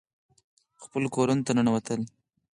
خپلو کورونو ته ننوتل.